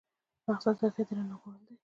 مقصد د هغې درناوی کول دي.